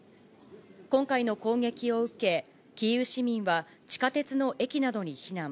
今回の攻撃を受け、キーウ市民は地下鉄の駅などに避難。